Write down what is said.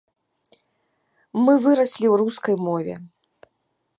Мы выраслі ў рускай мове.